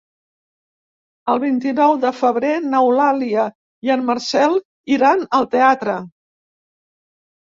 El vint-i-nou de febrer n'Eulàlia i en Marcel iran al teatre.